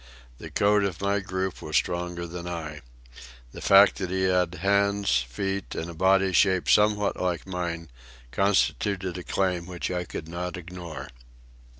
The code of my group was stronger than I. The fact that he had hands, feet, and a body shaped somewhat like mine, constituted a claim which I could not ignore.